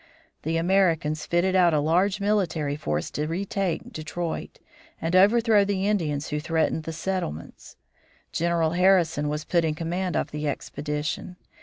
The Americans fitted out a large military force to retake Detroit, and overthrow the Indians who threatened the settlements. General Harrison was put in command of the expedition.